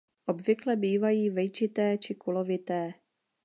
Obvykle bývají vejčité či kulovité.